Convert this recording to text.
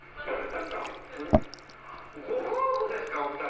ご夫婦ですかお二人！